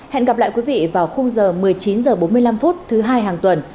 hẹn gặp lại quý vị vào khung giờ một mươi chín h bốn mươi năm thứ hai hàng tuần